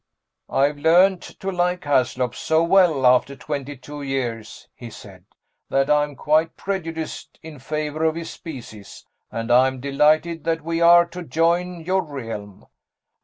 "I've learned to like Haslop so well after twenty two years," he said, "that I'm quite prejudiced in favor of his species, and I'm delighted that we are to join your Realm.